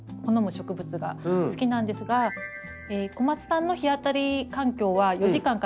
植物が好きなんですが小夏さんの日当たり環境は４時間から６時間。